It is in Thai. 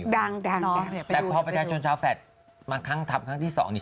ดังแต่พอประชาชนชาวแฝดมาครั้งทับครั้งที่๒นี่